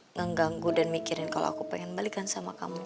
ngeganggu dan mikirin kalau aku pengen balikan sama kamu